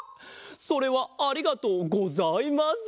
それはありがとうございます！